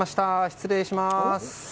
失礼します。